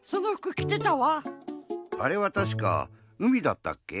あれはたしかうみだったっけ？